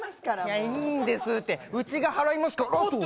いや、いいんですって、うちが払いますって。